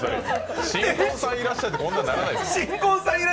「新婚さんいらっしゃい！」でこんなにならない。